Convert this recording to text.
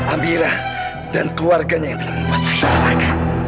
amirah dan keluarganya yang telah membuat saya celaka